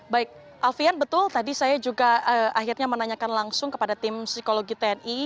baik alfian betul tadi saya juga akhirnya menanyakan langsung kepada tim psikologi tni